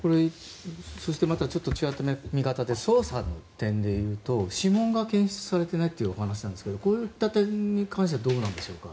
そしてまたちょっと違った見方で捜査の点でいうと指紋が検出されていないというお話ですがこういった点に関してはどうなんでしょうか？